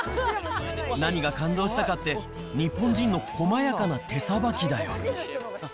何が感動したかって、日本人のこまやかな手さばきだよ。